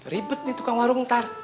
ribet nih tukang warung ntar